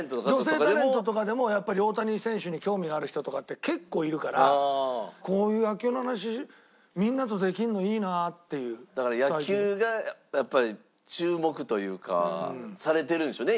女性タレントとかでもやっぱり大谷選手に興味がある人とかって結構いるからこういうだから野球がやっぱり注目というかされてるんでしょうね